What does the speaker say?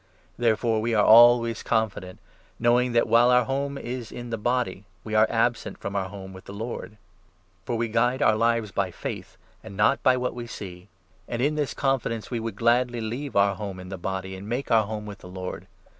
Therefore we are always confident, knowing that, while our 6 home is in the body, we are absent from our home with the Lord. For we guide our lives by faith, and not by what we 7 see. And in this confidence we would gladly leave our home 8 in the body, and make our home with the Lord.